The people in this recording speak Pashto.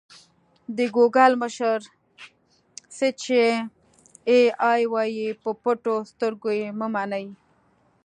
د ګوګل مشر: څه چې اې ای وايي په پټو سترګو یې مه منئ.